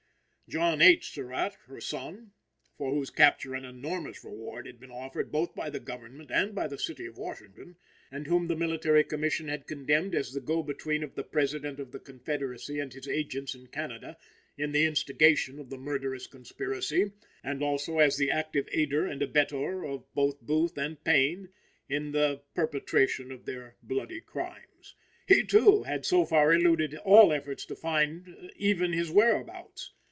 John H. Surratt, her son, for whose capture an enormous reward had been offered both by the Government and by the City of Washington, and whom the Military Commission had condemned as the go between of the President of the Confederacy and his agents in Canada in the instigation of the murderous conspiracy, and also as the active aider and abettor of both Booth and Payne in the perpetration of their bloody crimes; he, too, had so far eluded all efforts to find even his whereabouts.